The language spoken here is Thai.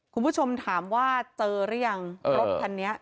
คุณผู้ชมถามว่าเจอหรือยังรถคันนี้